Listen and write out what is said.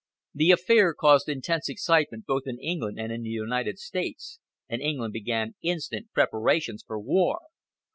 The affair caused intense excitement both in England and in the United States, and England began instant preparations for war.